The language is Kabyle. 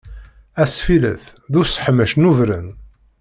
Asfillet d useḥmec nubren.